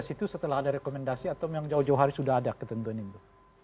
dua ribu itu setelah ada rekomendasi atau memang jauh jauh hari sudah ada ketentuan itu